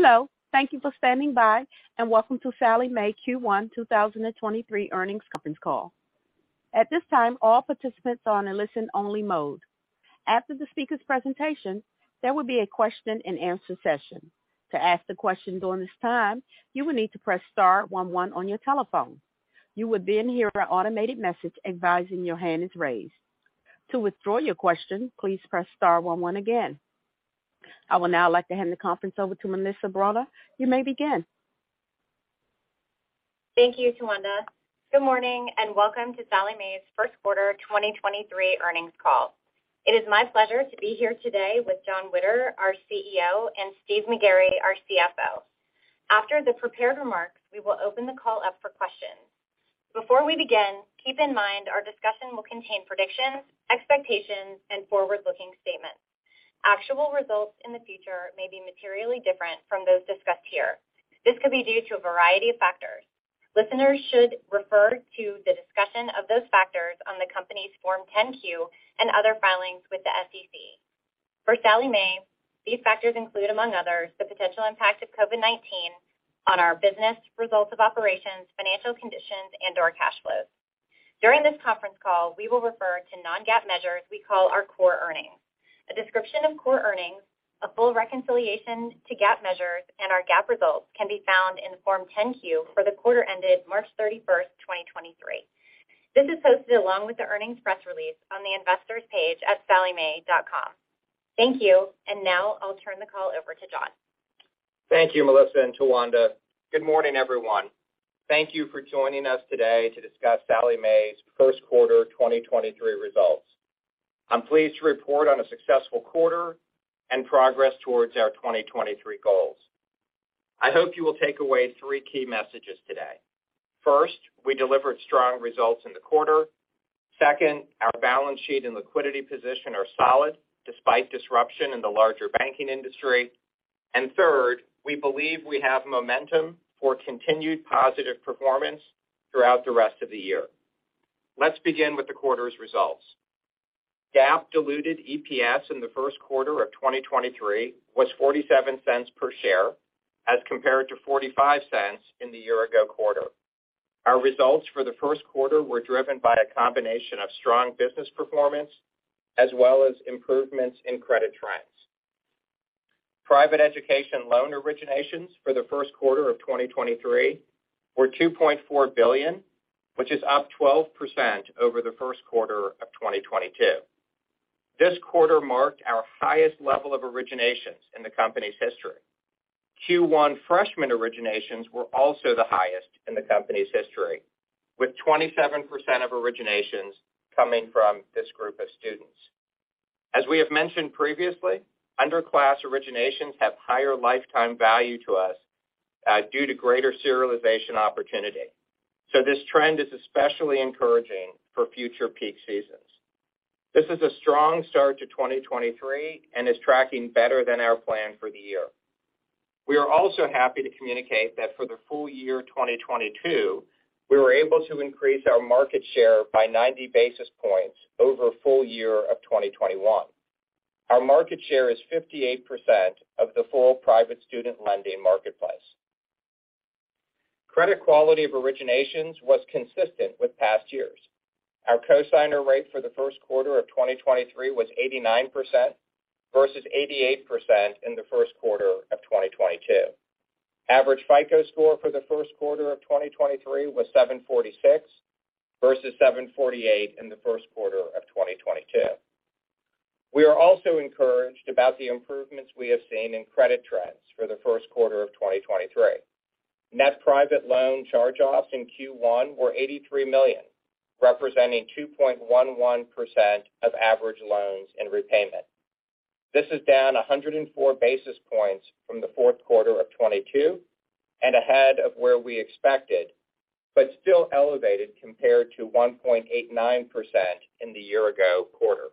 Hello, thank you for standing by. Welcome to Sallie Mae Q1 2023 earnings conference call. At this time, all participants are on a listen only mode. After the speaker's presentation, there will be a question-and-answer session. To ask the question during this time, you will need to press star one one on your telephone. You will hear our automated message advising your hand is raised. To withdraw your question, please press star one one again. I will now like to hand the conference over to Melissa Bronaugh. You may begin. Thank you, Towanda. Good morning. Welcome to Sallie Mae's first quarter 2023 earnings call. It is my pleasure to be here today with Jon Witter, our CEO, and Steve McGarry, our CFO. After the prepared remarks, we will open the call up for questions. Before we begin, keep in mind our discussion will contain predictions, expectations, and forward-looking statements. Actual results in the future may be materially different from those discussed here. This could be due to a variety of factors. Listeners should refer to the discussion of those factors on the company's Form 10-Q and other filings with the SEC. For Sallie Mae, these factors include, among others, the potential impact of COVID-19 on our business results of operations, financial conditions, and/or cash flows. During this conference call, we will refer to Non-GAAP measures we call our core earnings. A description of core earnings, a full reconciliation to GAAP measures, and our GAAP results can be found in the Form 10-Q for the quarter ended March 31st, 2023. This is posted along with the earnings press release on the investors page at SallieMae.com. Thank you. Now I'll turn the call over to Jon. Thank you, Melissa and Towanda. Good morning, everyone. Thank you for joining us today to discuss Sallie Mae's first quarter 2023 results. I'm pleased to report on a successful quarter and progress towards our 2023 goals. I hope you will take away three key messages today. First, we delivered strong results in the quarter. Second, our balance sheet and liquidity position are solid despite disruption in the larger banking industry. Third, we believe we have momentum for continued positive performance throughout the rest of the year. Let's begin with the quarter's results. GAAP diluted EPS in the first quarter of 2023 was $0.47 per share, as compared to $0.45 in the year ago quarter. Our results for the first quarter were driven by a combination of strong business performance as well as improvements in credit trends. Private education loan originations for the first quarter of 2023 were $2.4 billion, which is up 12% over the first quarter of 2022. This quarter marked our highest level of originations in the company's history. Q1 freshman originations were also the highest in the company's history, with 27% of originations coming from this group of students. As we have mentioned previously, underclass originations have higher lifetime value to us due to greater serialization opportunity. This trend is especially encouraging for future peak seasons. This is a strong start to 2023 and is tracking better than our plan for the year. We are also happy to communicate that for the full year 2022, we were able to increase our market share by 90 basis points over full year of 2021. Our market share is 58% of the full private student lending marketplace. Credit quality of originations was consistent with past years. Our cosigner rate for the first quarter of 2023 was 89% versus 88% in the first quarter of 2022. Average FICO score for the first quarter of 2023 was 746 versus 748 in the first quarter of 2022. We are also encouraged about the improvements we have seen in credit trends for the first quarter of 2023. Net private loan charge-offs in Q1 were $83 million, representing 2.11% of average loans in repayment. This is down 104 basis points from the fourth quarter of 2022 and ahead of where we expected, but still elevated compared to 1.89% in the year ago quarter.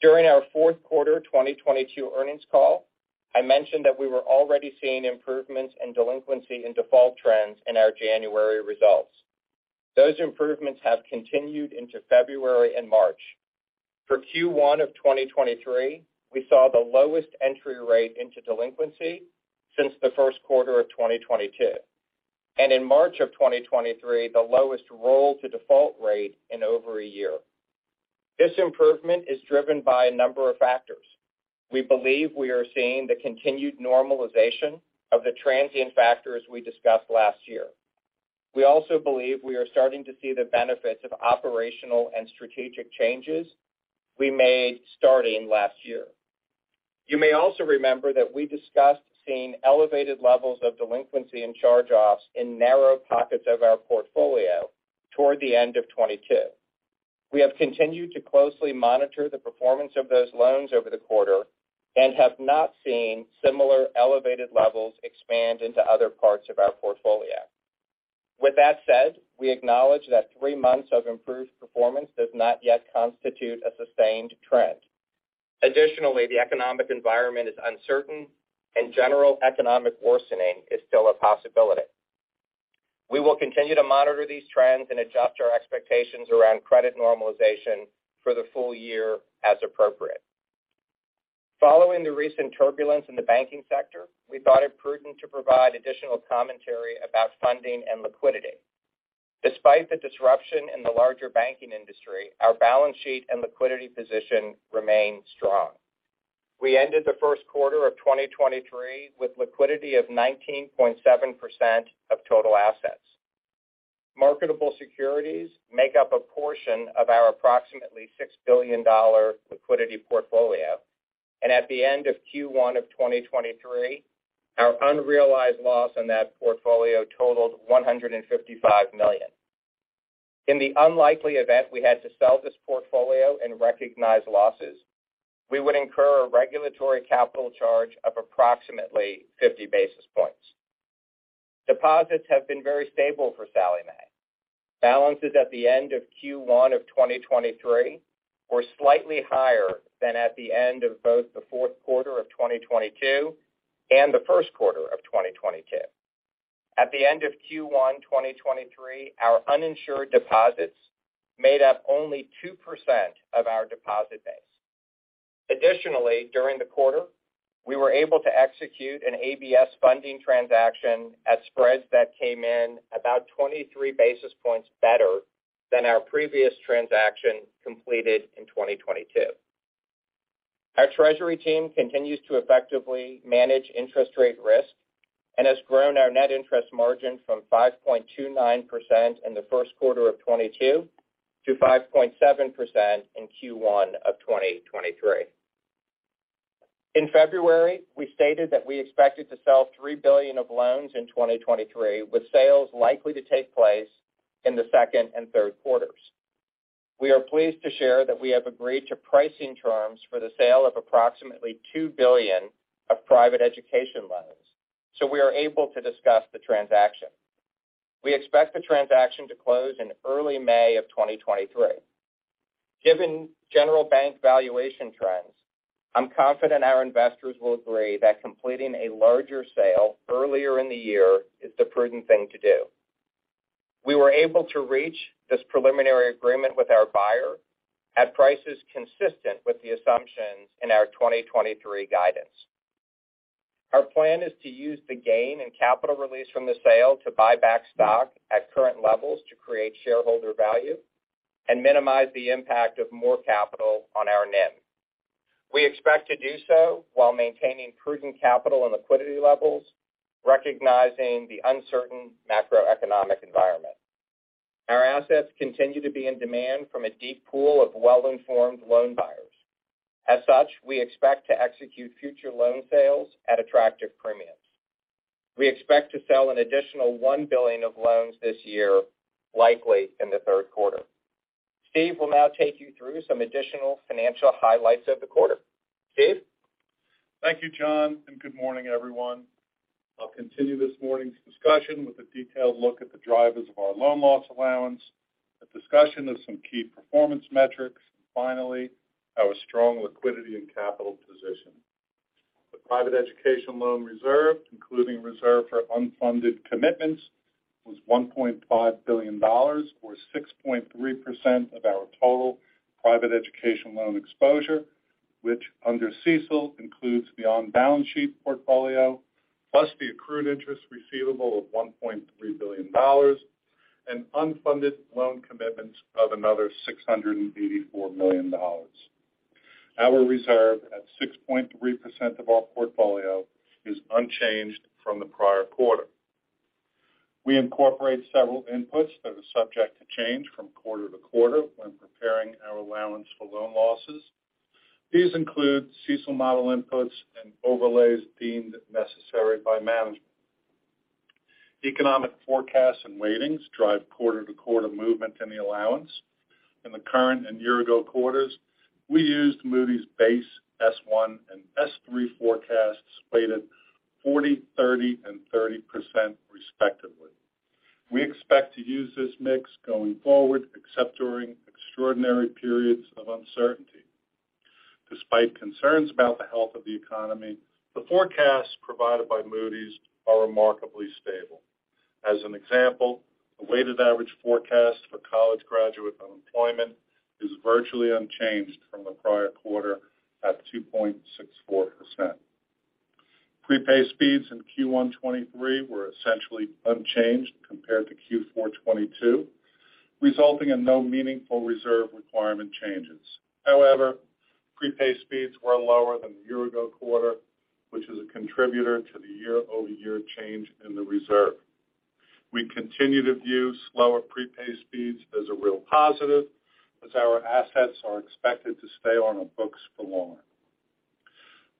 During our fourth quarter 2022 earnings call, I mentioned that we were already seeing improvements in delinquency and default trends in our January results. Those improvements have continued into February and March. For Q1 of 2023, we saw the lowest entry rate into delinquency since the first quarter of 2022, and in March of 2023, the lowest roll to default rate in over a year. This improvement is driven by a number of factors. We believe we are seeing the continued normalization of the transient factors we discussed last year. We also believe we are starting to see the benefits of operational and strategic changes we made starting last year. You may also remember that we discussed seeing elevated levels of delinquency and charge-offs in narrow pockets of our portfolio toward the end of 2022. We have continued to closely monitor the performance of those loans over the quarter and have not seen similar elevated levels expand into other parts of our portfolio. With that said, we acknowledge that three months of improved performance does not yet constitute a sustained trend. Additionally, the economic environment is uncertain and general economic worsening is still a possibility. We will continue to monitor these trends and adjust our expectations around credit normalization for the full year as appropriate. Following the recent turbulence in the banking sector, we thought it prudent to provide additional commentary about funding and liquidity. Despite the disruption in the larger banking industry, our balance sheet and liquidity position remain strong. We ended the first quarter of 2023 with liquidity of 19.7% of total assets. Marketable securities make up a portion of our approximately $6 billion liquidity portfolio. At the end of Q1 of 2023, our unrealized loss on that portfolio totaled $155 million. In the unlikely event we had to sell this portfolio and recognize losses, we would incur a regulatory capital charge of approximately 50 basis points. Deposits have been very stable for Sallie Mae. Balances at the end of Q1 of 2023 were slightly higher than at the end of both the fourth quarter of 2022 and the first quarter of 2022. At the end of Q1 2023, our uninsured deposits made up only 2% of our deposit base. Additionally, during the quarter, we were able to execute an ABS funding transaction at spreads that came in about 23 basis points better than our previous transaction completed in 2022. Our treasury team continues to effectively manage interest rate risk and has grown our net interest margin from 5.29% in the first quarter of 2022 to 5.7% in Q1 of 2023. In February, we stated that we expected to sell $3 billion of loans in 2023, with sales likely to take place in the second and third quarters. We are pleased to share that we have agreed to pricing terms for the sale of approximately $2 billion of private education loans. We are able to discuss the transaction. We expect the transaction to close in early May of 2023. Given general bank valuation trends, I'm confident our investors will agree that completing a larger sale earlier in the year is the prudent thing to do. We were able to reach this preliminary agreement with our buyer at prices consistent with the assumptions in our 2023 guidance. Our plan is to use the gain and capital release from the sale to buy back stock at current levels to create shareholder value and minimize the impact of more capital on our NIM. We expect to do so while maintaining prudent capital and liquidity levels, recognizing the uncertain macroeconomic environment. Our assets continue to be in demand from a deep pool of well-informed loan buyers. We expect to execute future loan sales at attractive premiums. We expect to sell an additional $1 billion of loans this year, likely in the third quarter. Steve will now take you through some additional financial highlights of the quarter. Steve? Thank you, Jon. Good morning, everyone. I'll continue this morning's discussion with a detailed look at the drivers of our loan loss allowance, a discussion of some key performance metrics, and finally, our strong liquidity and capital position. The private education loan reserve, including reserve for unfunded commitments, was $1.5 billion, or 6.3% of our total private education loan exposure, which under CECL includes the on-balance-sheet portfolio, plus the accrued interest receivable of $1.3 billion and unfunded loan commitments of another $684 million. Our reserve at 6.3% of our portfolio is unchanged from the prior quarter. We incorporate several inputs that are subject to change from quarter to quarter when preparing our allowance for loan losses. These include CECL model inputs and overlays deemed necessary by management. Economic forecasts and weightings drive quarter-to-quarter movement in the allowance. In the current and year ago quarters, we used Moody's base S1 and S3 forecasts weighted 40%, 30%, and 30% respectively. We expect to use this mix going forward, except during extraordinary periods of uncertainty. Despite concerns about the health of the economy, the forecasts provided by Moody's are remarkably stable. As an example, the weighted average forecast for college graduate unemployment is virtually unchanged from the prior quarter at 2.64%. Prepay speeds in Q1 2023 were essentially unchanged compared to Q4 2022, resulting in no meaningful reserve requirement changes. Prepay speeds were lower than the year ago quarter, which is a contributor to the year-over-year change in the reserve. We continue to view slower prepay speeds as a real positive, as our assets are expected to stay on our books for longer.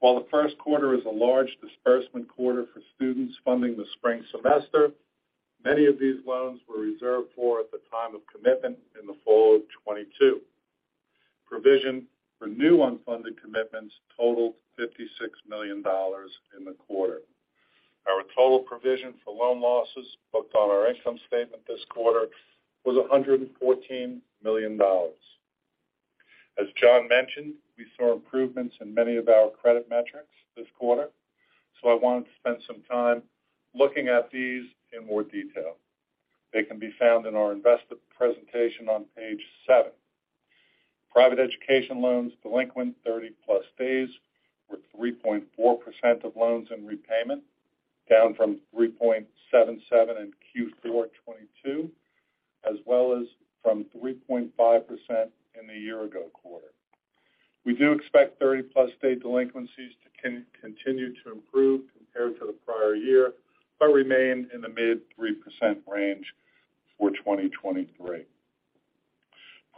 While the first quarter is a large disbursement quarter for students funding the spring semester, many of these loans were reserved for at the time of commitment in the fall of 2022. Provision for new unfunded commitments totaled $56 million in the quarter. Our total provision for loan losses booked on our income statement this quarter was $114 million. As Jon mentioned, we saw improvements in many of our credit metrics this quarter, I wanted to spend some time looking at these in more detail. They can be found in our investor presentation on page 7. Private education loans delinquent 30-plus days were 3.4% of loans in repayment, down from 3.77% in Q4 2022, as well as from 3.5% in the year ago quarter. We do expect 30-plus day delinquencies to continue to improve compared to the prior year, but remain in the mid 3% range for 2023.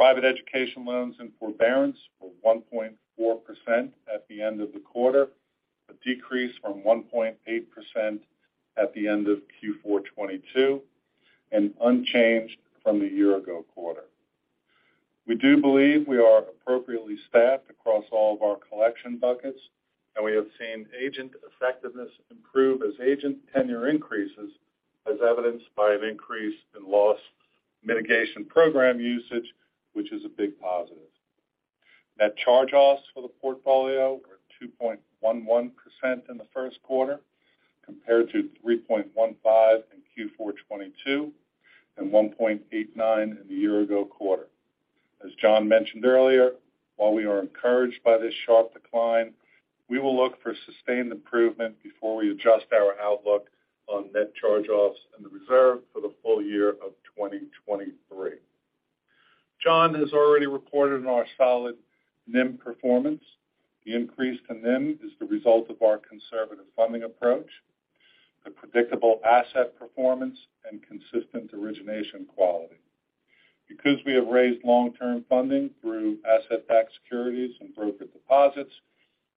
Private education loans in forbearance were 1.4% at the end of the quarter, a decrease from 1.8% at the end of Q4 2022, and unchanged from the year ago quarter. We do believe we are appropriately staffed across all of our collection buckets, and we have seen agent effectiveness improve as agent tenure increases, as evidenced by an increase in loss mitigation program usage, which is a big positive. Net charge-offs for the portfolio were 2.11% in the first quarter, compared to 3.15% in Q4 2022, and 1.89% in the year ago quarter. As Jon mentioned earlier, while we are encouraged by this sharp decline, we will look for sustained improvement before we adjust our outlook on net charge-offs and the reserve for the full year of 2023. Jon has already reported on our solid NIM performance. The increase in NIM is the result of our conservative funding approach, the predictable asset performance and consistent origination quality. Because we have raised long-term funding through asset-backed securities and broker deposits,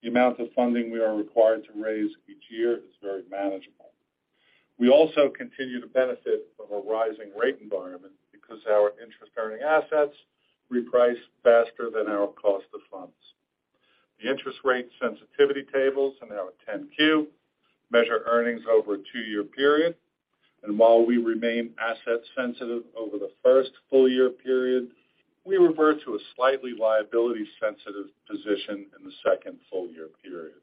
the amount of funding we are required to raise each year is very manageable. We also continue to benefit from a rising rate environment because our interest-earning assets reprice faster than our cost of funds. The interest rate sensitivity tables in our 10-Q measure earnings over a two-year period. While we remain asset sensitive over the first full year period, we revert to a slightly liability sensitive position in the second full year period.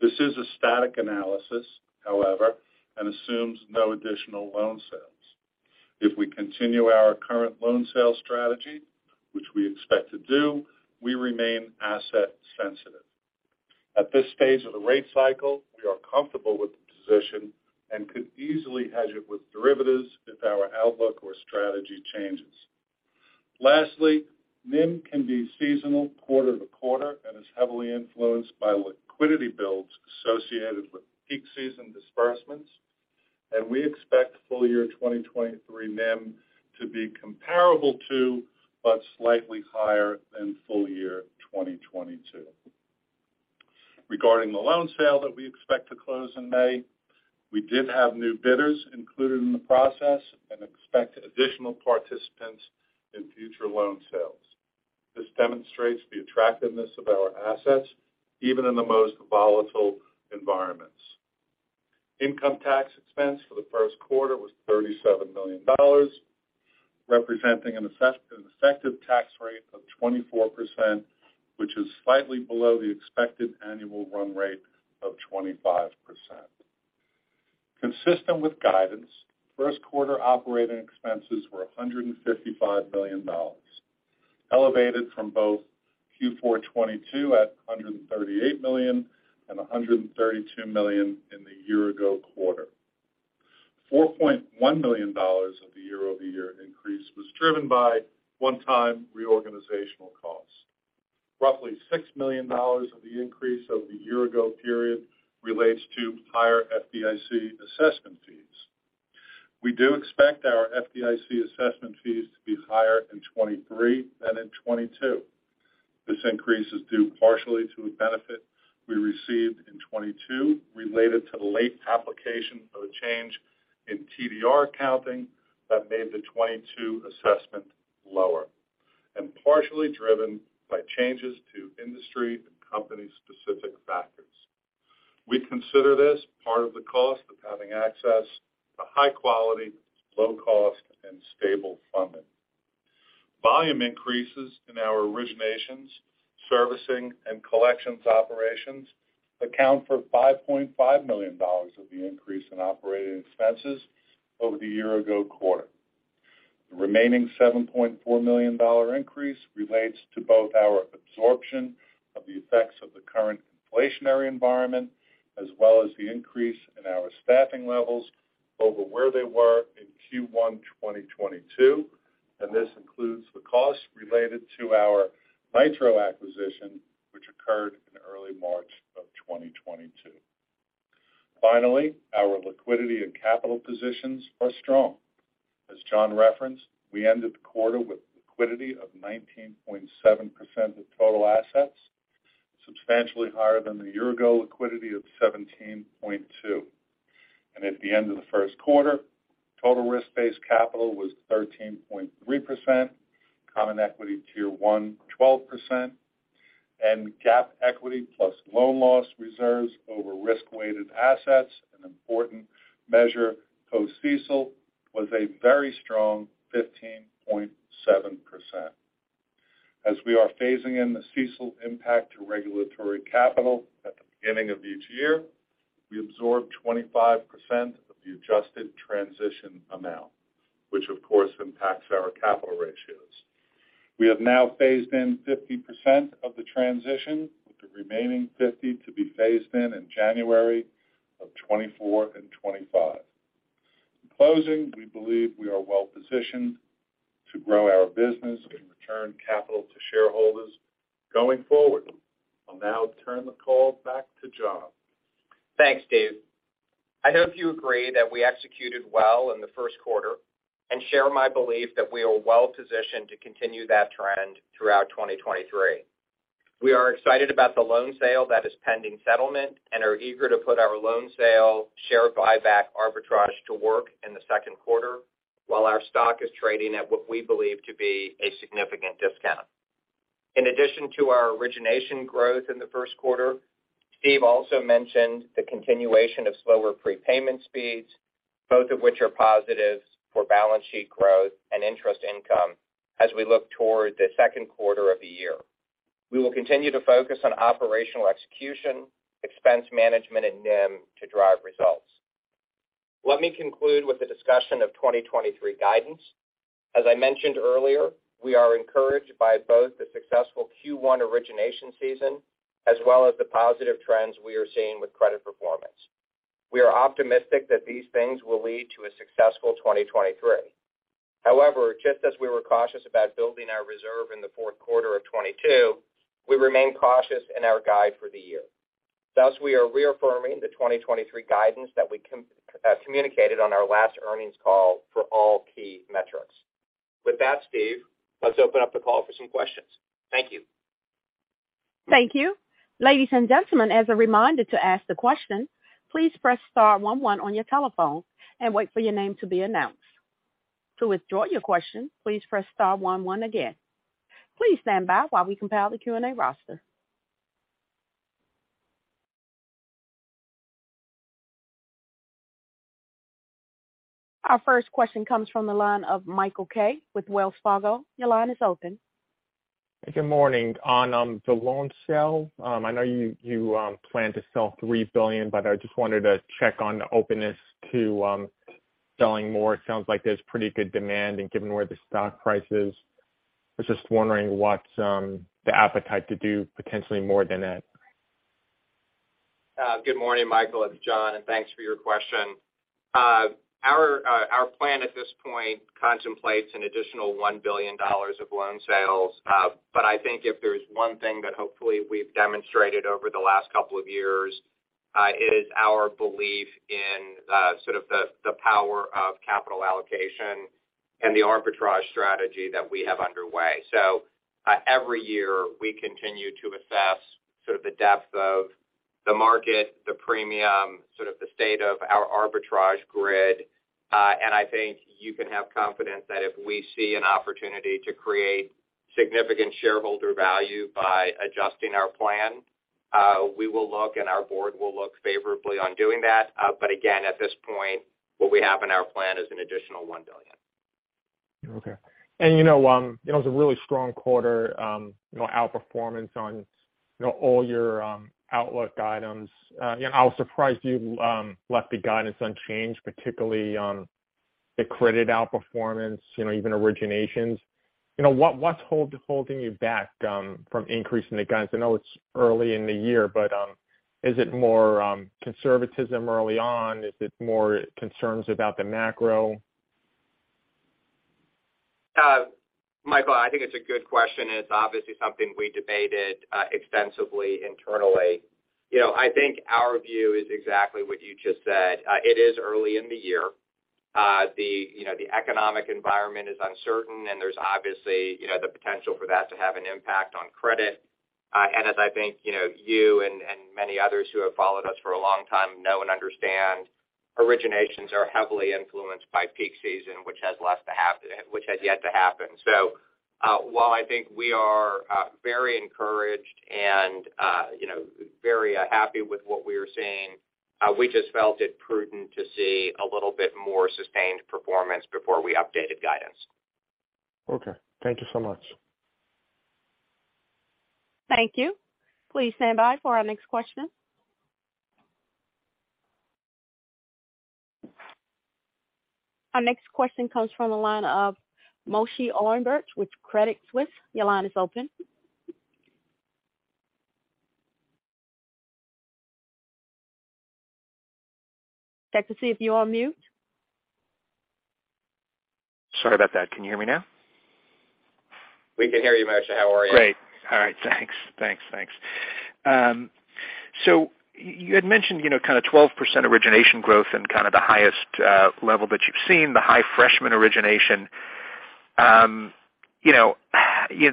This is a static analysis, however, and assumes no additional loan sales. If we continue our current loan sale strategy, which we expect to do, we remain asset sensitive. At this stage of the rate cycle, we are comfortable with the position and could easily hedge it with derivatives if our outlook or strategy changes. Lastly, NIM can be seasonal quarter to quarter and is heavily influenced by liquidity builds associated with peak season disbursements, and we expect full year 2023 NIM to be comparable to, but slightly higher than full year 2022. Regarding the loan sale that we expect to close in May, we did have new bidders included in the process and expect additional participants in future loan sales. This demonstrates the attractiveness of our assets even in the most volatile environments. Income tax expense for the first quarter was $37 million, representing an effective tax rate of 24%, which is slightly below the expected annual run rate of 25%. Consistent with guidance, first quarter operating expenses were $155 million, elevated from both Q4 2022 at $138 million and $132 million in the year ago quarter. $4.1 million of the year-over-year increase was driven by one-time reorganizational costs. Roughly $6 million of the increase over the year ago period relates to higher FDIC assessment fees. We do expect our FDIC assessment fees to be higher in 2023 than in 2022. This increase is due partially to a benefit we received in 2022 related to the late application of a change in TDR accounting that made the 2022 assessment lower and partially driven by changes to industry and company specific factors. We consider this part of the cost of having access to high quality, low cost and stable funding. Volume increases in our originations, servicing and collections operations account for $5.5 million of the increase in operating expenses over the year-ago quarter. The remaining $7.4 million increase relates to both our absorption of the effects of the current inflationary environment as well as the increase in our staffing levels over where they were in Q1 2022, and this includes the costs related to our Nitro acquisition, which occurred in early March 2022. Finally, our liquidity and capital positions are strong. As Jon referenced, we ended the quarter with liquidity of 19.7% of total assets, substantially higher than the year ago liquidity of 17.2%. At the end of the first quarter, total risk-based capital was 13.3%, Common Equity Tier 1, 12%. GAAP equity plus loan loss reserves over risk-weighted assets, an important measure post CECL, was a very strong 15.7%. As we are phasing in the CECL impact to regulatory capital at the beginning of each year, we absorb 25% of the adjusted transition amount, which of course impacts our capital ratios. We have now phased in 50% of the transition, with the remaining 50% to be phased in in January of 2024 and 2025. In closing, we believe we are well positioned to grow our business and return capital to shareholders going forward. I'll now turn the call back to Jon Witter. Thanks, Dave. I hope you agree that we executed well in the first quarter and share my belief that we are well positioned to continue that trend throughout 2023. We are excited about the loan sale that is pending settlement and are eager to put our loan sale, share buyback arbitrage to work in the second quarter while our stock is trading at what we believe to be a significant discount. In addition to our origination growth in the first quarter, Steve also mentioned the continuation of slower prepayment speeds, both of which are positives for balance sheet growth and interest income as we look toward the second quarter of the year. We will continue to focus on operational execution, expense management and NIM to drive results. Let me conclude with a discussion of 2023 guidance. As I mentioned earlier, we are encouraged by both the successful Q1 origination season as well as the positive trends we are seeing with credit performance. We are optimistic that these things will lead to a successful 2023. Just as we were cautious about building our reserve in the fourth quarter of 2022, we remain cautious in our guide for the year. We are reaffirming the 2023 guidance that we communicated on our last earnings call for all key metrics. With that, Steve, let's open up the call for some questions. Thank you. Thank you. Ladies and gentlemen, as a reminder to ask the question, please press star one one on your telephone and wait for your name to be announced. To withdraw your question, please press star one one again. Please stand by while we compile the Q&A roster. Our first question comes from the line of Michael Kaye with Wells Fargo. Your line is open. Good morning. On the loan sale, I know you plan to sell $3 billion, but I just wanted to check on the openness to selling more. It sounds like there's pretty good demand and given where the stock price is. I was just wondering what's the appetite to do potentially more than that. Good morning, Michael. It's Jon. Thanks for your question. Our plan at this point contemplates an additional $1 billion of loan sales. I think if there's one thing that hopefully we've demonstrated over the last couple of years, is our belief in sort of the power of capital allocation and the arbitrage strategy that we have underway. Every year, we continue to assess sort of the depth of the market, the premium, sort of the state of our arbitrage grid. I think you can have confidence that if we see an opportunity to create significant shareholder value by adjusting our plan, we will look and our board will look favorably on doing that. Again, at this point, what we have in our plan is an additional $1 billion. Okay. You know, you know, it's a really strong quarter, you know, outperformance on, you know, all your outlook items. You know, I was surprised you left the guidance unchanged, particularly on the credit outperformance, you know, even originations. You know, what's holding you back from increasing the guidance? I know it's early in the year, but, is it more conservatism early on? Is it more concerns about the macro? Michael, I think it's a good question, and it's obviously something we debated extensively internally. I think our view is exactly what you just said. It is early in the year. The, you know, the economic environment is uncertain, and there's obviously, you know, the potential for that to have an impact on credit. As I think, you know, you and many others who have followed us for a long time know and understand, originations are heavily influenced by peak season, which has yet to happen. While I think we are very encouraged and, you know, very happy with what we are seeing, we just felt it prudent to see a little bit more sustained performance before we updated guidance. Okay, thank you so much. Thank you. Please stand by for our next question. Our next question comes from the line of Moshe Orenbuch with Credit Suisse. Your line is open. Check to see if you're on mute. Sorry about that. Can you hear me now? We can hear you, Moshe. How are you? Great. All right. Thanks. Thanks. Thanks. You had mentioned, you know, kind of 12% origination growth and kind of the highest level that you've seen, the high freshman origination. You know,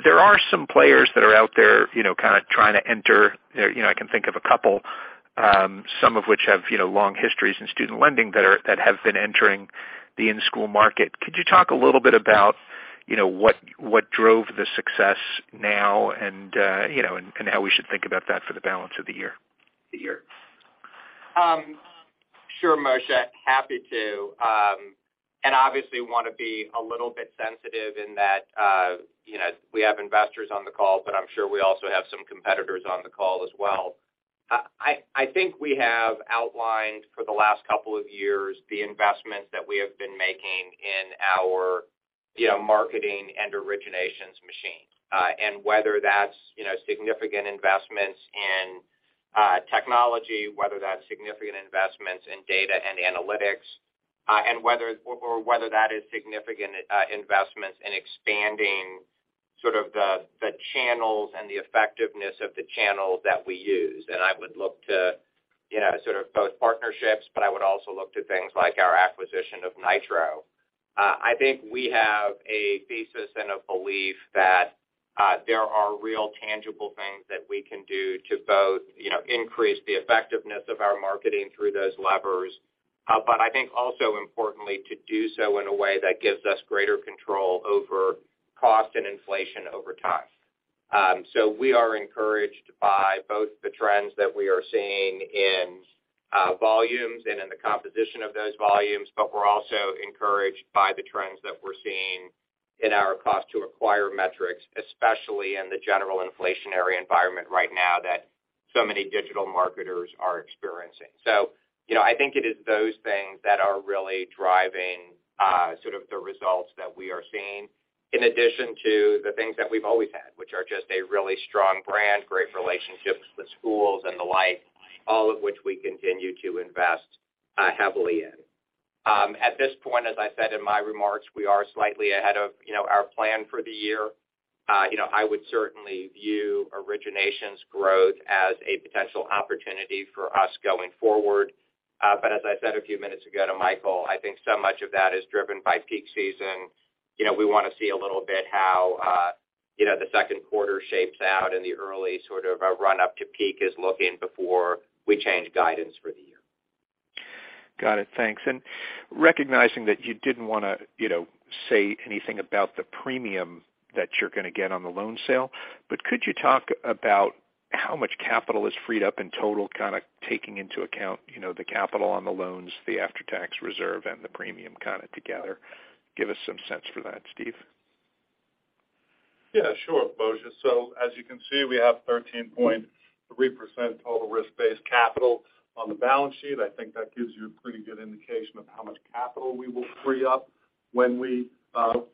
there are some players that are out there, you know, kind of trying to enter. You know, I can think of a couple. Some of which have, you know, long histories in student lending that have been entering the in-school market. Could you talk a little bit about, you know, what drove the success now and, you know, how we should think about that for the balance of the year? Sure, Moshe. Happy to, and obviously wanna be a little bit sensitive in that, you know, we have investors on the call, but I'm sure we also have some competitors on the call as well. I think we have outlined for the last couple of years the investments that we have been making in our, you know, marketing and originations machine. Whether that's, you know, significant investments in technology, whether that's significant investments in data and analytics, and whether that is significant investments in expanding sort of the channels and the effectiveness of the channels that we use. I would look to, you know, sort of both partnerships, but I would also look to things like our acquisition of Nitro. I think we have a thesis and a belief that there are real tangible things that we can do to both, you know, increase the effectiveness of our marketing through those levers. I think also importantly, to do so in a way that gives us greater control over cost and inflation over time. We are encouraged by both the trends that we are seeing in volumes and in the composition of those volumes, but we're also encouraged by the trends that we're seeing in our Cost to Acquire metrics, especially in the general inflationary environment right now that so many digital marketers are experiencing. You know, I think it is those things that are really driving, sort of the results that we are seeing in addition to the things that we've always had, which are just a really strong brand, great relationships with schools and the like, all of which we continue to invest heavily in. At this point, as I said in my remarks, we are slightly ahead of, you know, our plan for the year. You know, I would certainly view originations growth as a potential opportunity for us going forward. As I said a few minutes ago to Michael, I think so much of that is driven by peak season. You know, we wanna see a little bit how, you know, the second quarter shapes out and the early sort of, run up to peak is looking before we change guidance for the year. Got it. Thanks. Recognizing that you didn't wanna, you know, say anything about the premium that you're gonna get on the loan sale, but could you talk about how much capital is freed up in total, kinda taking into account, you know, the capital on the loans, the after-tax reserve and the premium kind of together? Give us some sense for that, Steve. Yeah, sure, Moshe. As you can see, we have 13.3% total risk-based capital on the balance sheet. I think that gives you a pretty good indication of how much capital we will free up when we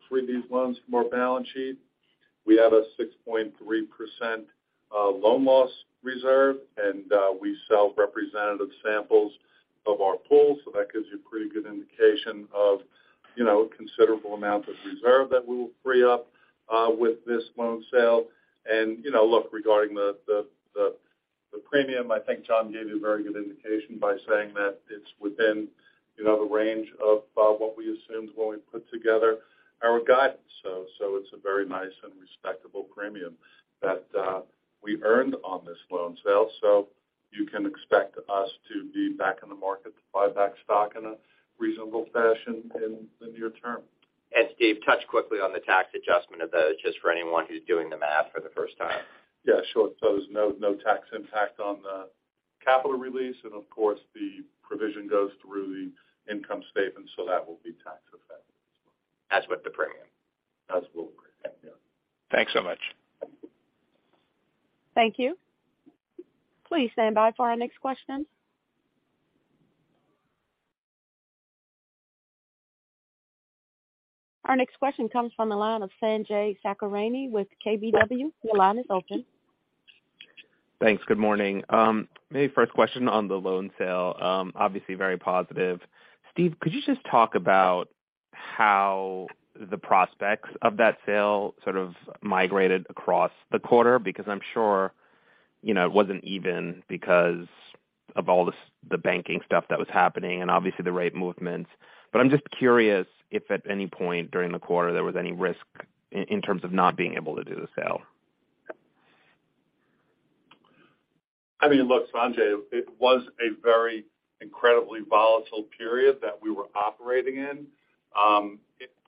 free these loans from our balance sheet. We have a 6.3% loan loss reserve, and we sell representative samples of our pool. That gives you a pretty good indication of, you know, considerable amount of reserve that we will free up with this loan sale. You know, look, regarding the premium, I think Jon gave you a very good indication by saying that it's within, you know, the range of what we assumed when we put together our guidance. It's a very nice and respectable premium that we earned on this loan sale. You can expect us to be back in the market to buy back stock in a reasonable fashion in the near term. Steve, touch quickly on the tax adjustment of those, just for anyone who's doing the math for the first time. Yeah, sure. There's no tax impact on the capital release. Of course, the provision goes through the income statement, so that will be tax effective as well. As with the premium. As with the premium, yeah. Thanks so much. Thank you. Please stand by for our next question. Our next question comes from the line of Sanjay Sakhrani with KBW. Your line is open. Thanks. Good morning. Maybe first question on the loan sale, obviously very positive. Steve, could you just talk about how the prospects of that sale sort of migrated across the quarter? Because I'm sure, you know, it wasn't even because of all the banking stuff that was happening and obviously the rate movements. I'm just curious if at any point during the quarter there was any risk in terms of not being able to do the sale. I mean, look, Sanjay, it was a very incredibly volatile period that we were operating in.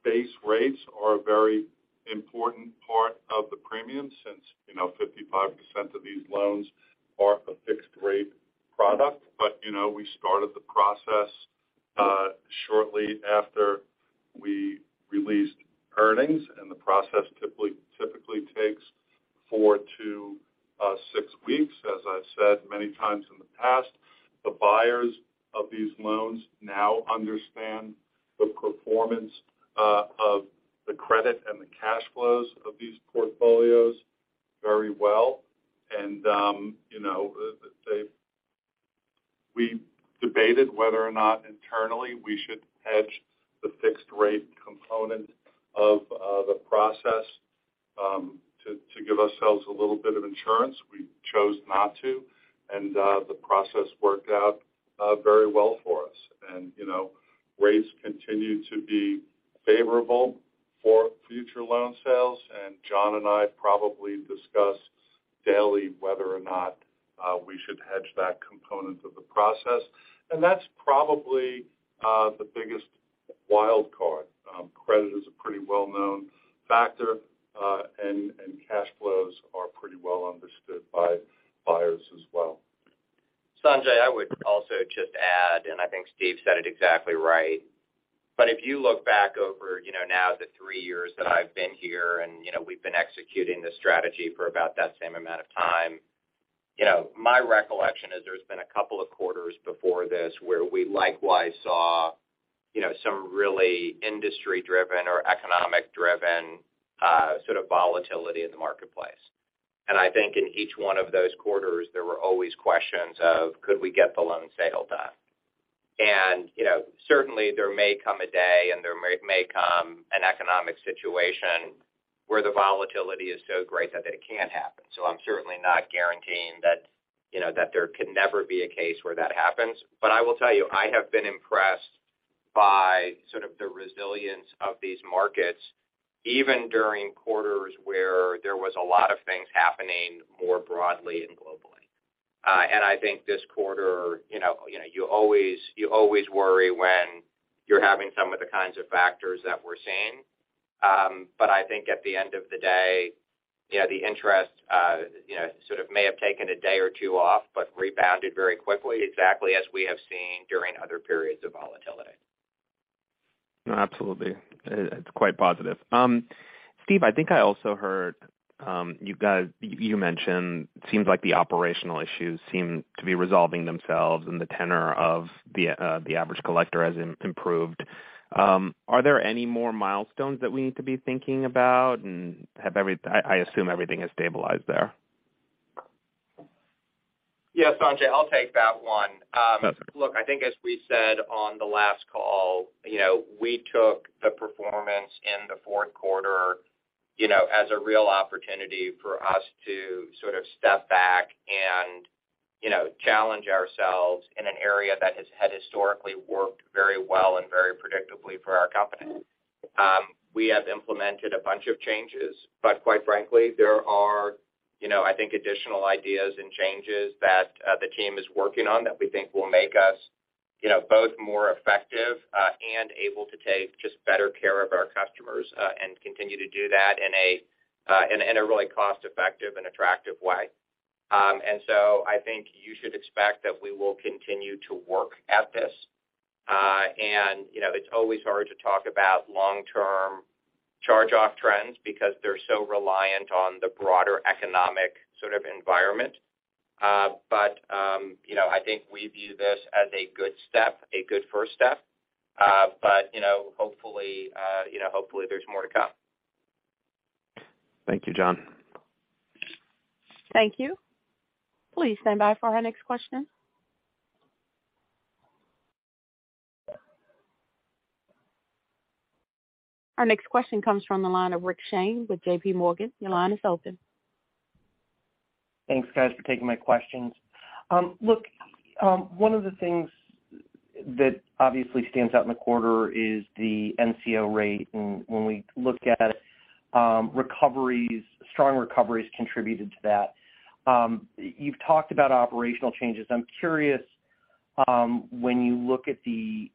Base rates are a very important part of the premium since, you know, 55% of these loans are a fixed rate product. You know, we started the process, shortly after we released earnings, and the process typically takes four weeks to six weeks. As I've said many times in the past, the buyers of these loans now understand the performance, of the credit and the cash flows of these portfolios very well. You know, We debated whether or not internally we should hedge the fixed rate component of the process, to give ourselves a little bit of insurance. We chose not to. The process worked out, very well for us. You know, Rates continue to be favorable for future loan sales, and Jon and I probably discuss daily whether or not we should hedge that component of the process. That's probably the biggest wild card. Credit is a pretty well-known factor, and cash flows are pretty well understood by buyers as well. Sanjay, I would also just add, and I think Steve said it exactly right, but if you look back over, you know, now the three years that I've been here and, you know, we've been executing this strategy for about that same amount of time, you know, my recollection is there's been a couple of quarters before this where we likewise saw, you know, some really industry-driven or economic-driven sort of volatility in the marketplace. I think in each one of those quarters, there were always questions of, could we get the loan sale done? You know, certainly there may come a day and there may come an economic situation where the volatility is so great that it can't happen. I'm certainly not guaranteeing that, you know, that there could never be a case where that happens. I will tell you, I have been impressed by sort of the resilience of these markets, even during quarters where there was a lot of things happening more broadly and globally. I think this quarter, you know, you always worry when you're having some of the kinds of factors that we're seeing. I think at the end of the day, the interest, you know, sort of may have taken a day or two off, but rebounded very quickly, exactly as we have seen during other periods of volatility. No, absolutely. It's quite positive. Steve, I think I also heard, you mentioned it seems like the operational issues seem to be resolving themselves and the tenor of the average collector has improved. Are there any more milestones that we need to be thinking about? Have I assume everything has stabilized there. Yeah, Sanjay, I'll take that one. Look, I think as we said on the last call, you know, we took the performance in the fourth quarter, you know, as a real opportunity for us to sort of step back and, you know, challenge ourselves in an area that has historically worked very well and very predictably for our company. We have implemented a bunch of changes, but quite frankly, there are, you know, I think additional ideas and changes that the team is working on that we think will make us, you know, both more effective and able to take just better care of our customers and continue to do that in a in a in a really cost-effective and attractive way. I think you should expect that we will continue to work at this. You know, it's always hard to talk about long-term charge-off trends because they're so reliant on the broader economic sort of environment. You know, I think we view this as a good step, a good first step. You know, hopefully, there's more to come. Thank you, Jon. Thank you. Please stand by for our next question. Our next question comes from the line of Rick Shane with J.P. Morgan. Your line is open. Thanks, guys, for taking my questions. Look, one of the things that obviously stands out in the quarter is the NCO rate. When we look at, recoveries, strong recoveries contributed to that. You've talked about operational changes. I'm curious, when you look at the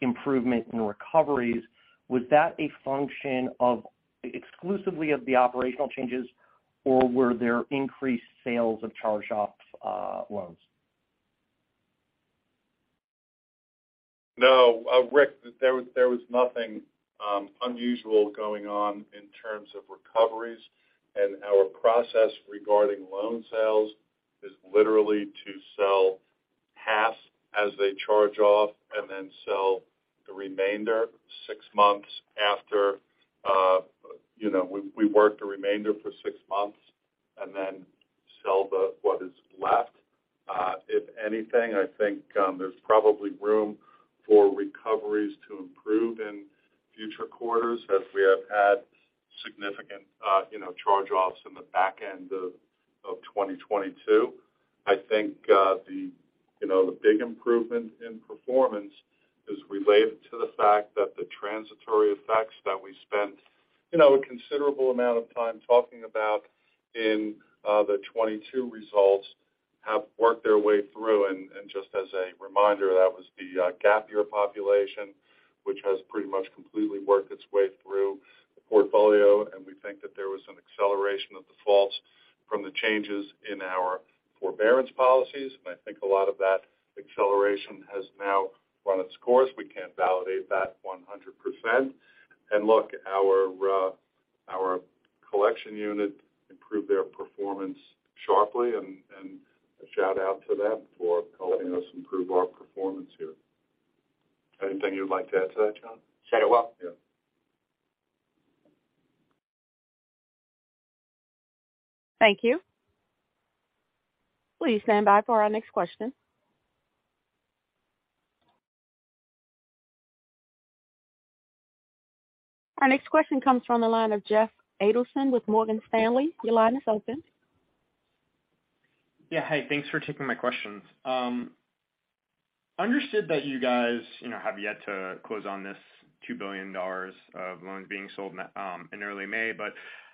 improvement in recoveries, was that a function of exclusively of the operational changes, or were there increased sales of charge-offs, loans? No, Rick, there was nothing unusual going on in terms of recoveries. Our process regarding loan sales is literally to sell half as they charge off and then sell the remainder 6 months after, you know, we work the remainder for 6 months and then sell the, what is left. If anything, I think, there's probably room for recoveries to improve in future quarters as we have had significant, you know, charge-offs in the back end of 2022. I think, the, you know, the big improvement in performance is related to the fact that the transitory effects that we spent, you know, a considerable amount of time talking about in, the 2022 results have worked their way through. Just as a reminder, that was the gap year population, which has pretty much completely worked its way through the portfolio. We think that there was an acceleration of defaults from the changes in our forbearance policies. I think a lot of that acceleration has now run its course. We can't validate that 100%. Look, our collection unit improved their performance sharply, a shout-out to them for helping us improve our performance here. Anything you'd like to add to that, Jon? Said it well. Yeah. Thank you. Please stand by for our next question. Our next question comes from the line of Jeff Adelson with Morgan Stanley. Your line is open. Yeah. Hi, thanks for taking my questions. Understood that you guys, you know, have yet to close on this $2 billion of loans being sold in early May.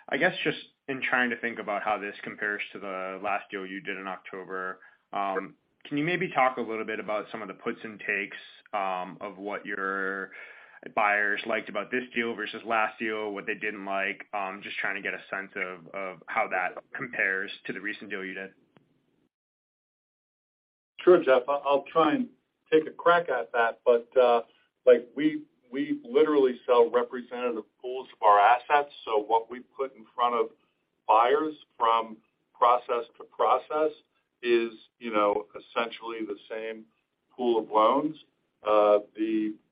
I guess just in trying to think about how this compares to the last deal you did in October. Can you maybe talk a little bit about some of the puts and takes of what your buyers liked about this deal versus last deal, what they didn't like? Just trying to get a sense of how that compares to the recent deal you did. Sure, Jeff. I'll try and take a crack at that. like we literally sell representative pools of our assets. What we put in front of buyers from process to process is, you know, essentially the same pool of loans.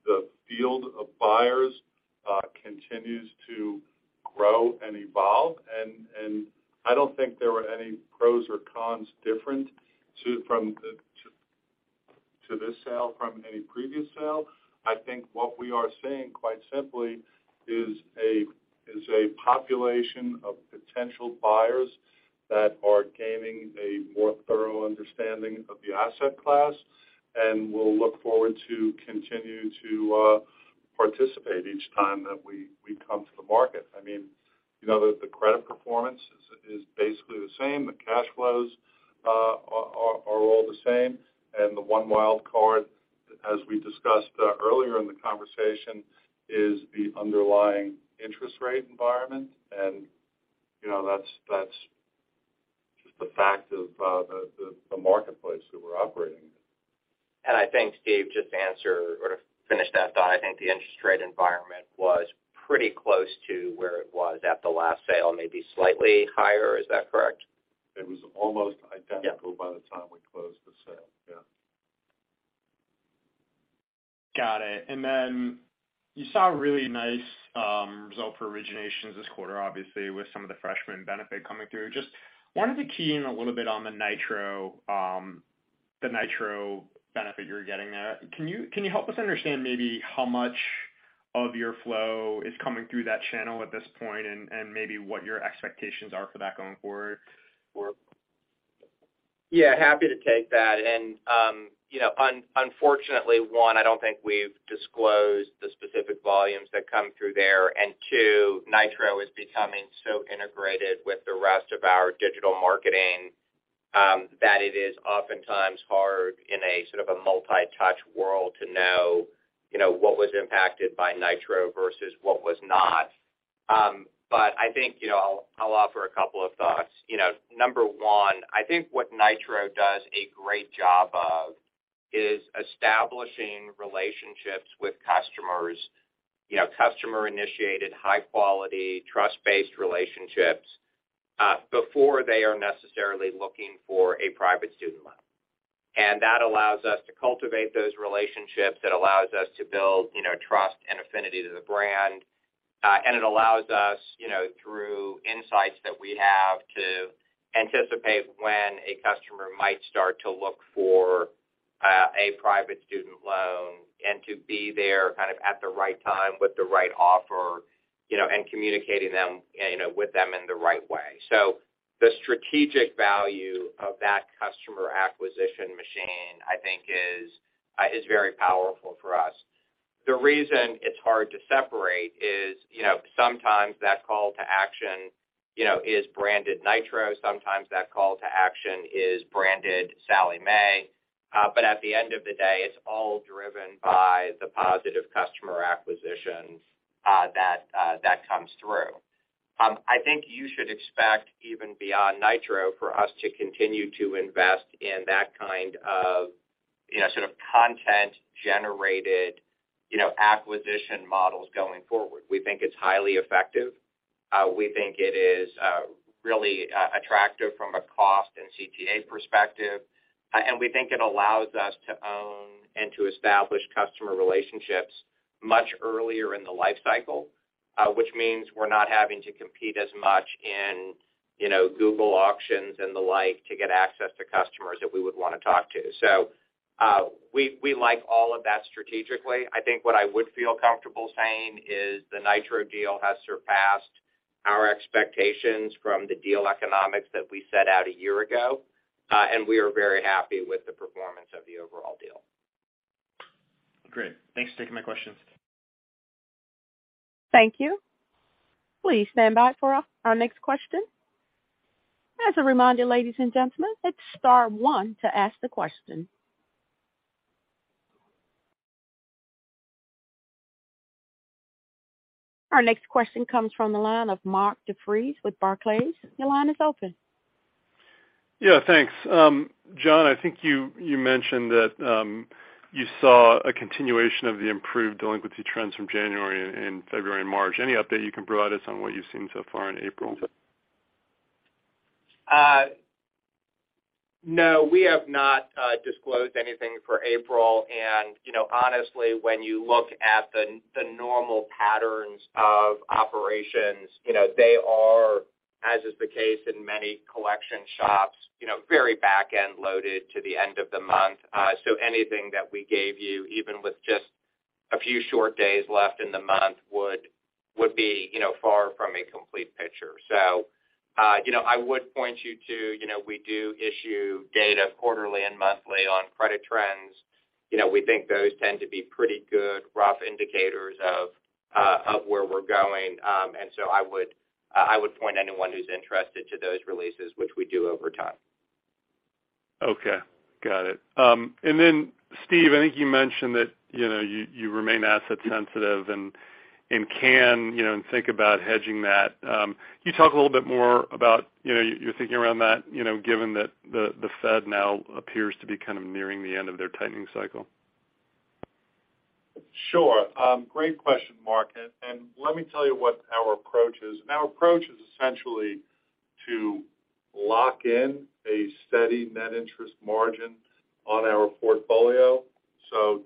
The field of buyers continues to grow and evolve. I don't think there were any pros or cons different to, from the, to this sale from any previous sale. I think what we are seeing, quite simply, is a population of potential buyers that are gaining a more thorough understanding of the asset class. We'll look forward to continue to participate each time that we come to the market. I mean, you know, the credit performance is basically the same. The cash flows are all the same. The one wild card, as we discussed, earlier in the conversation, is the underlying interest rate environment. You know, that's just the fact of the marketplace that we're operating in. I think, Steve, just to answer or to finish that thought, I think the interest rate environment was pretty close to where it was at the last sale, maybe slightly higher. Is that correct? It was almost identical. Yeah. by the time we closed the sale. Yeah. Got it. You saw a really nice result for originations this quarter, obviously, with some of the freshman benefit coming through. Just wanted to key in a little bit on the Nitro, the Nitro benefit you're getting there. Can you help us understand maybe how much of your flow is coming through that channel at this point, and maybe what your expectations are for that going forward or? Yeah, happy to take that. Unfortunately, one, I don't think we've disclosed the specific volumes that come through there. Two, Nitro is becoming so integrated with the rest of our digital marketing, that it is oftentimes hard in a sort of a multi-touch world to know, you know, what was impacted by Nitro versus what was not. I think, you know, I'll offer a couple of thoughts. You know, number one, I think what Nitro does a great job of is establishing relationships with customers, you know, customer-initiated, high quality, trust-based relationships, before they are necessarily looking for a private student loan. That allows us to cultivate those relationships, that allows us to build, you know, trust and affinity to the brand. It allows us, you know, through insights that we have to anticipate when a customer might start to look for a private student loan and to be there kind of at the right time with the right offer, you know, and communicating them, you know, with them in the right way. The strategic value of that customer acquisition machine, I think is very powerful for us. The reason it's hard to separate is, you know, sometimes that call to action, you know, is branded Nitro. Sometimes that call to action is branded Sallie Mae. At the end of the day, it's all driven by the positive customer acquisition that comes through. I think you should expect even beyond Nitro for us to continue to invest in that kind of, you know, sort of content-generated, you know, acquisition models going forward. We think it's highly effective. We think it is really attractive from a cost and CTA perspective. And we think it allows us to own and to establish customer relationships much earlier in the life cycle. Which means we're not having to compete as much in, you know, Google auctions and the like to get access to customers that we would wanna talk to. We, we like all of that strategically. I think what I would feel comfortable saying is the Nitro deal has surpassed our expectations from the deal economics that we set out a year ago. And we are very happy with the performance of the overall deal. Great. Thanks for taking my questions. Thank you. Please stand by for our next question. As a reminder, ladies and gentlemen, it's star one to ask the question. Our next question comes from the line of Mark DeVries with Barclays. Your line is open. Yeah, thanks. Jon, I think you mentioned that you saw a continuation of the improved delinquency trends from January and February and March. Any update you can provide us on what you've seen so far in April? No, we have not disclosed anything for April. You know, honestly, when you look at the normal patterns of operations, you know, they areAs is the case in many collection shops, you know, very back-end loaded to the end of the month. Anything that we gave you, even with just a few short days left in the month, would be, you know, far from a complete picture. You know, I would point you to, you know, we do issue data quarterly and monthly on credit trends. You know, we think those tend to be pretty good rough indicators of where we're going. I would point anyone who's interested to those releases, which we do over time. Okay, got it. Then Steve, I think you mentioned that, you know, you remain asset sensitive and can, you know, and think about hedging that. Can you talk a little bit more about, you know, your thinking around that, you know, given that the Fed now appears to be kind of nearing the end of their tightening cycle? Sure. Great question, Mark, and let me tell you what our approach is. Our approach is essentially to lock in a steady net interest margin on our portfolio.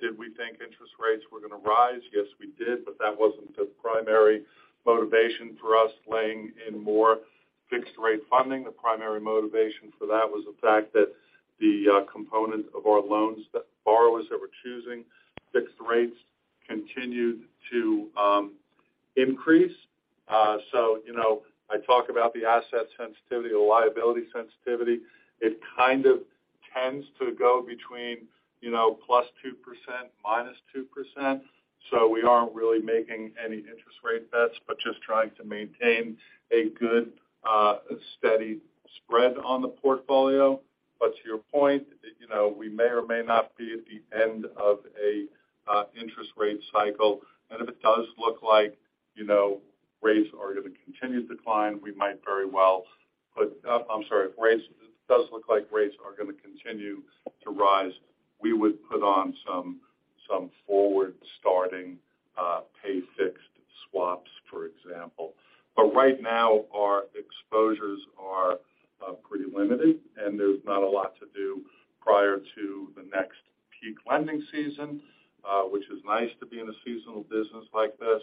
Did we think interest rates were gonna rise? Yes, we did, but that wasn't the primary motivation for us laying in more fixed rate funding. The primary motivation for that was the fact that the component of our loans that borrowers that were choosing fixed rates continued to increase. You know, I talk about the asset sensitivity, the liability sensitivity. It kind of tends to go between, you know, +2%, -2%. We aren't really making any interest rate bets, but just trying to maintain a good, steady spread on the portfolio. To your point, you know, we may or may not be at the end of a interest rate cycle, and if it does look like, you know, rates are gonna continue to decline, I'm sorry, if rates, it does look like rates are gonna continue to rise, we would put on some forward-starting pay fixed swaps, for example. Right now, our exposures are pretty limited, and there's not a lot to do prior to the next peak lending season, which is nice to be in a seasonal business like this.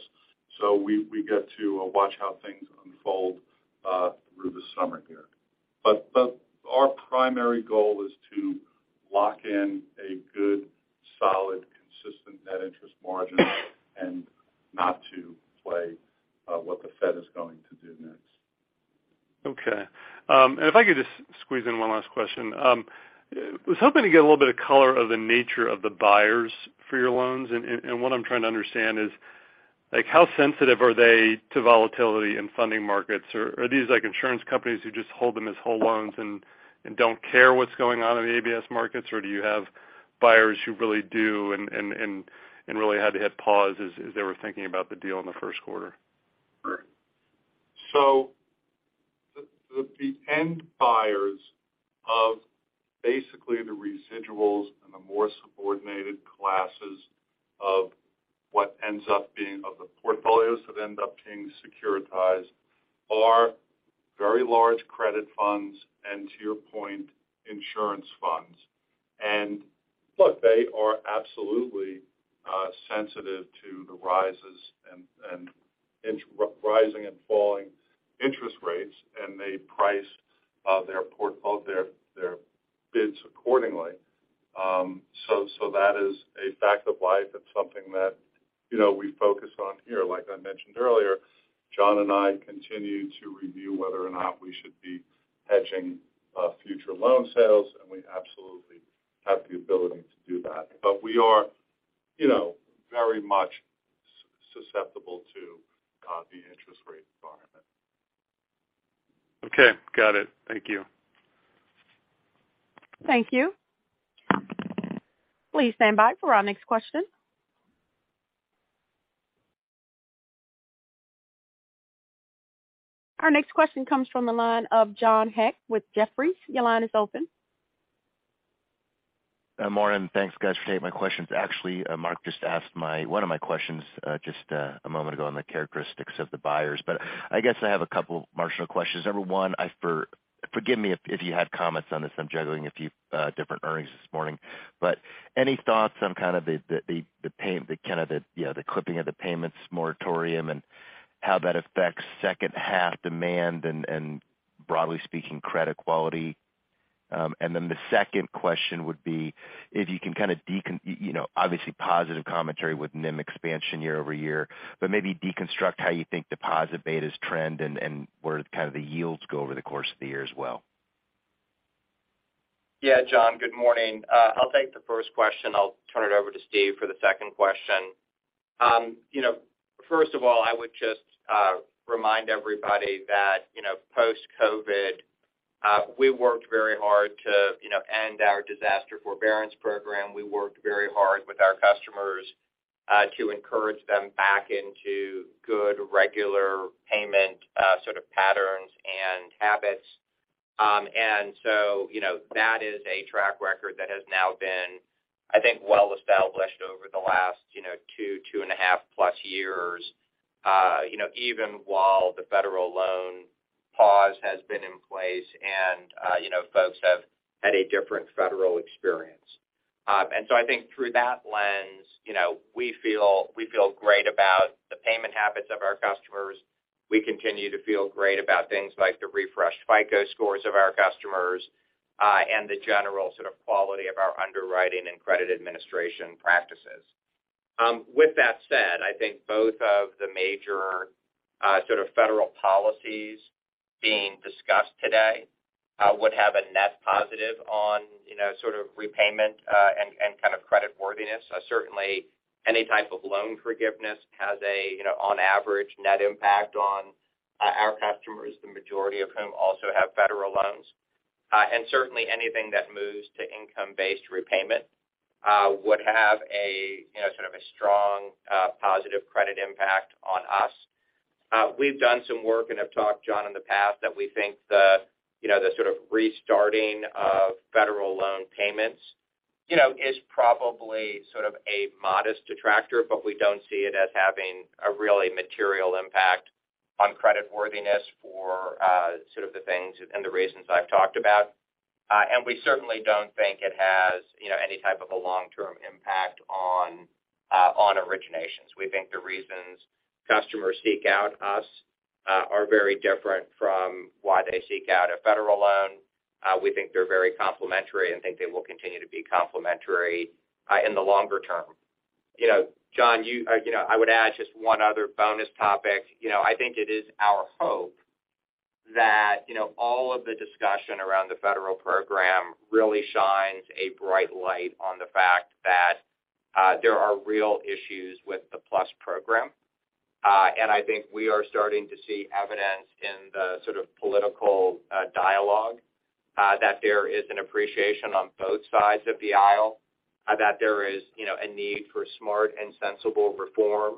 We get to watch how things unfold through the summer here. Our primary goal is to lock in a good, solid, consistent net interest margin and not to play what the Fed is going to do next. Okay. If I could just squeeze in one last question. Was hoping to get a little bit of color of the nature of the buyers for your loans. What I'm trying to understand is, like, how sensitive are they to volatility in funding markets? Are these like insurance companies who just hold them as whole loans and don't care what's going on in the ABS markets? Do you have buyers who really do and really had to hit pause as they were thinking about the deal in the first quarter? The end buyers of basically the residuals and the more subordinated classes of what ends up being of the portfolios that end up being securitized are very large credit funds and, to your point, insurance funds. Look, they are absolutely sensitive to the rises and rising and falling interest rates, and they price their bids accordingly. That is a fact of life. It's something that, you know, we focus on here. Like I mentioned earlier, Jon and I continue to review whether or not we should be hedging future loan sales, and we absolutely have the ability to do that. We are, you know, very much susceptible to the interest rate environment. Okay, got it. Thank you. Thank you. Please stand by for our next question. Our next question comes from the line of John Hecht with Jefferies. Your line is open. Morning. Thanks, guys, for taking my questions. Actually, Mark just asked one of my questions, just a moment ago on the characteristics of the buyers. I guess I have a couple marginal questions. Number one, I forgive me if you had comments on this. I'm juggling a few different earnings this morning. Any thoughts on kind of the pay-- the kind of the, you know, the clipping of the payments moratorium and how that affects second half demand and broadly speaking, credit quality? The second question would be if you can kind of decon-- you know, obviously positive commentary with NIM expansion year-over-year, but maybe deconstruct how you think deposit betas trend and where kind of the yields go over the course of the year as well. Yeah, John, good morning. I'll take the first question. I'll turn it over to Steve for the second question. You know, first of all, I would just remind everybody that, you know, post-COVID, we worked very hard to, you know, end our disaster forbearance program. We worked very hard with our customers, to encourage them back into good, regular payment, sort of patterns and habits. You know, that is a track record that has now been, I think, well established over the last, you know, 2, two and a half plus years, you know, even while the federal loan pause has been in place and, you know, folks have had a different federal experience. I think through that lens, you know, we feel, we feel great about the payment habits of our customers. We continue to feel great about things like the refreshed FICO scores of our customers, and the general sort of quality of our underwriting and credit administration practices. With that said, I think both of the major, sort of federal policies being discussed today, would have a net positive on, you know, sort of repayment, and kind of creditworthiness. Certainly, any type of loan forgiveness has a, you know, on average net impact on our customers, the majority of whom also have federal loans. Certainly anything that moves to income-based repayment, would have a, you know, sort of a strong, positive credit impact on us. We've done some work and have talked, John, in the past that we think the, you know, the sort of restarting of Federal loan payments, you know, is probably sort of a modest detractor, but we don't see it as having a really material impact on creditworthiness for sort of the things and the reasons I've talked about. We certainly don't think it has, you know, any type of a long-term impact on originations. We think the reasons customers seek out us are very different from why they seek out a Federal loan. We think they're very complementary and think they will continue to be complementary in the longer term. You know, John, you know, I would add just one other bonus topic. You know, I think it is our hope that, you know, all of the discussion around the federal program really shines a bright light on the fact that there are real issues with the PLUS program. I think we are starting to see evidence in the sort of political dialogue that there is an appreciation on both sides of the aisle that there is, you know, a need for smart and sensible reform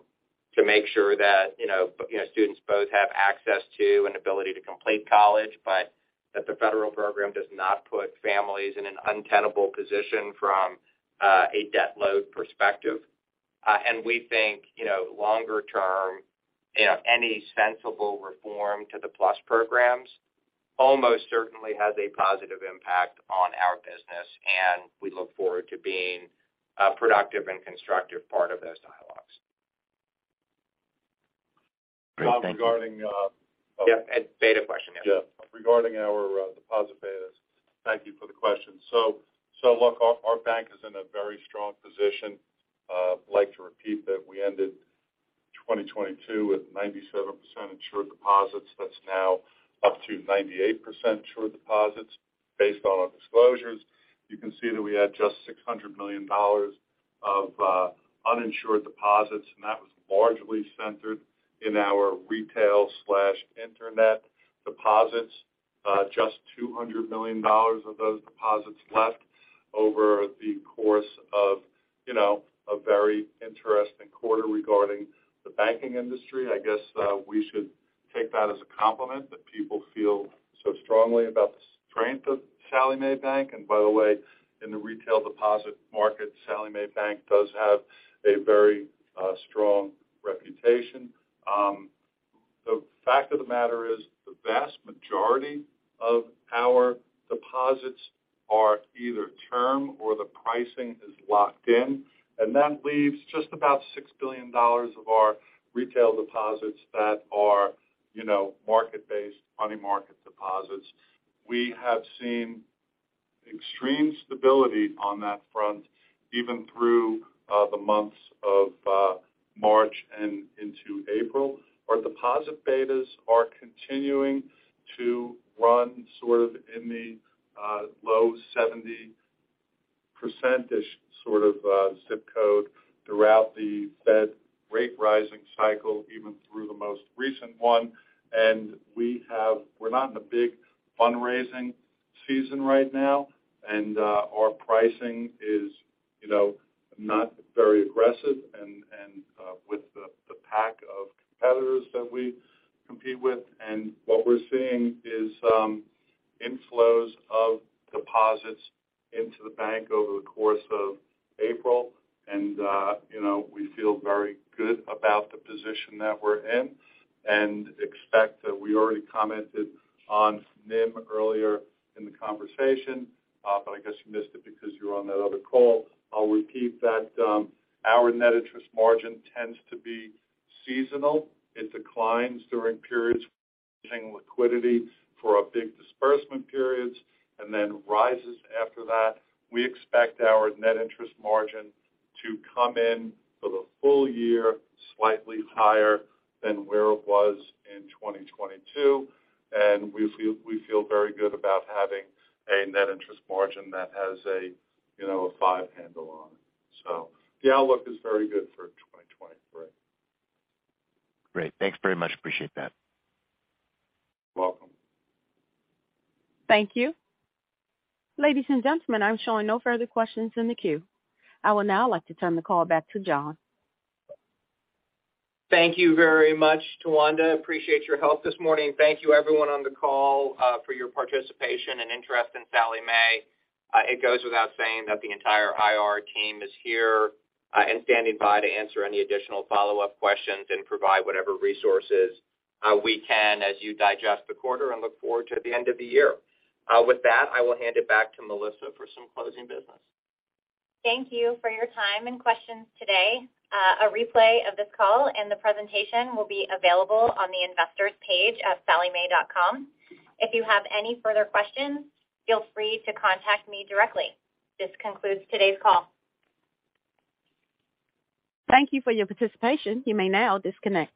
to make sure that, you know, you know, students both have access to and ability to complete college, but that the federal program does not put families in an untenable position from a debt load perspective. We think, you know, longer term, you know, any sensible reform to the PLUS programs almost certainly has a positive impact on our business, and we look forward to being a productive and constructive part of those dialogues. Great. Thank you. Regarding. Yeah. Beta question. Yeah. Yeah. Regarding our deposit betas. Thank you for the question. Look, our bank is in a very strong position. I'd like to repeat that we ended 2022 with 97% insured deposits. That's now up to 98% insured deposits based on our disclosures. You can see that we had just $600 million of uninsured deposits, and that was largely centered in our retail/internet deposits. Just $200 million of those deposits left over the course of, you know, a very interesting quarter regarding the banking industry. I guess, we should take that as a compliment that people feel so strongly about the strength of Sallie Mae Bank. By the way, in the retail deposit market, Sallie Mae Bank does have a very strong reputation. The fact of the matter is the vast majority of our deposits are either term or the pricing is locked in, that leaves just about $6 billion of our retail deposits that are, you know, market-based money market deposits. We have seen extreme stability on that front, even through the months of March and into April. Our deposit betas are continuing to run sort of in the low 70% sort of ZIP code throughout the Fed rate rising cycle, even through the most recent one. We're not in a big fundraising season right now, and our pricing is, you know, not very aggressive and with the pack of competitors that we compete with. What we're seeing is inflows of deposits into the bank over the course of April. You know, we feel very good about the position that we're in and expect that we already commented on NIM earlier in the conversation, but I guess you missed it because you were on that other call. I'll repeat that, our net interest margin tends to be seasonal. It declines during periods liquidity for our big disbursement periods and then rises after that. We expect our net interest margin to come in for the full year, slightly higher than where it was in 2022, and we feel very good about having a net interest margin that has a, you know, a five handle on it. The outlook is very good for 2023. Great. Thanks very much. Appreciate that. Welcome. Thank you. Ladies and gentlemen, I'm showing no further questions in the queue. I would now like to turn the call back to Jon. Thank you very much, Towanda. Appreciate your help this morning. Thank you everyone on the call, for your participation and interest in Sallie Mae. It goes without saying that the entire IR team is here, and standing by to answer any additional follow-up questions and provide whatever resources, we can as you digest the quarter and look forward to the end of the year. With that, I will hand it back to Melissa for some closing business. Thank you for your time and questions today. A replay of this call and the presentation will be available on the investors page at SallieMae.com. If you have any further questions, feel free to contact me directly. This concludes today's call. Thank you for your participation. You may now disconnect.